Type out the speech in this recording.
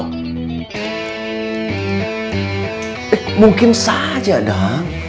eh mungkin saja dang